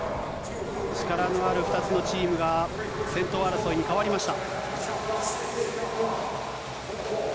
力のある２つのチームが先頭争いに変わりました。